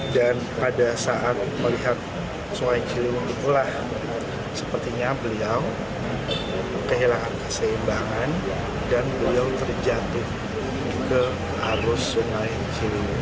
dan pada saat melihat sungai ciliwung itulah sepertinya beliau kehilangan keseimbangan dan beliau terjatuh ke arus sungai ciliwung